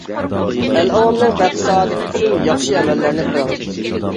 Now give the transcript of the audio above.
ئەل-ئاۋامنىڭ بەخت-سائادىتى ئۈچۈن ياخشى ئەمەللەرنى قىلىڭ.